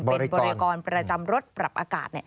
เป็นบริกรประจำรถปรับอากาศ